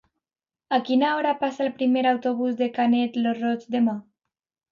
A quina hora passa el primer autobús per Canet lo Roig demà?